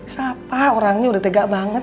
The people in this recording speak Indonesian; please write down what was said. siapa orangnya udah tegak banget